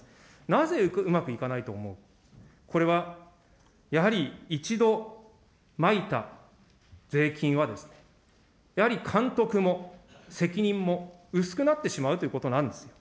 なぜうまくいかないと思うか、これはやはり、一度まいた税金は、やはり監督も責任も薄くなってしまうということなんですよ。